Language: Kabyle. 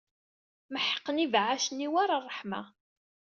Meḥqen ibeɛɛac-nni war ṛṛeḥma.